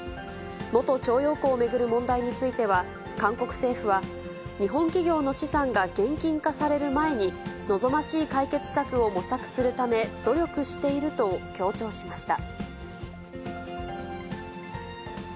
元徴用工を巡る問題については、韓国政府は、日本企業の資産が現金化される前に、望ましい解決策を模索するため、努力していると強調しました。